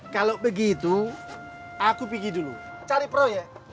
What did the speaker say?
kalau begitu aku pergi dulu cari proyek